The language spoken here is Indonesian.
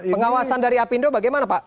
pengawasan dari apindo bagaimana pak